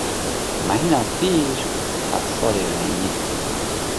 Mehîna pîr, hefsarê rengîn.